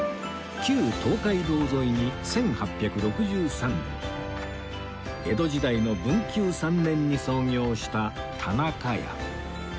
旧東海道沿いに１８６３年江戸時代の文久３年に創業した田中家